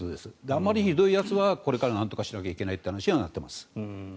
あまりひどいやつはこれからなんとかしなければいけないという話にはなっています。